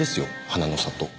花の里。